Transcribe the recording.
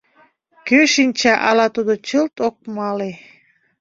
Кӧ шинча, ала тудо чылт ок мале.